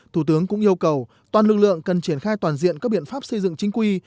thủ tướng cũng yêu cầu toàn lực lượng cần triển khai toàn diện các biện pháp xây dựng chính quy